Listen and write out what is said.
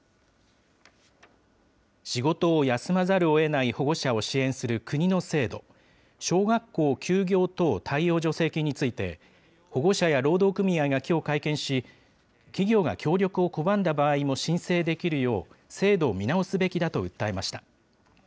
仕事を休まざるをえない保護者を支援する国の制度、小学校休業等対応助成金について、保護者や労働組合がきょう会見し、企業が協力を拒んだ場合にも申請できるよう、制度を見直すべきだと訴えました。